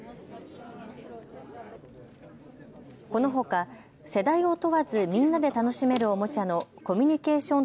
このほか世代を問わずみんなで楽しめるおもちゃのコミュニケーション